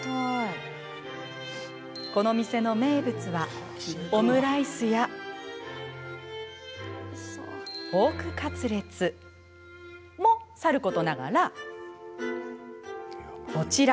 この店の名物はオムライスやポークカツレツもさることながらこちら！